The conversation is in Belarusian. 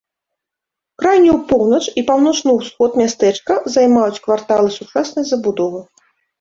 Крайнюю поўнач і паўночны ўсход мястэчка займаюць кварталы сучаснай забудовы.